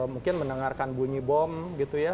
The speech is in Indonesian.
mungkin mendengarkan bunyi bom gitu ya